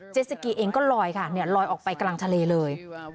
เจซิกิเองก็ลอยค่ะเนี่ยลอยออกไปกลางทะเลเลย